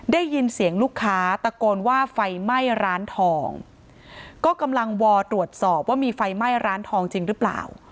ได้ยินเสียงลูกค้าตะโกนว่าไฟไหม้ร้านทองก็กำลังวอตรวจสอบว่ามีไฟไหม้ร้านทองจริงหรือเปล่า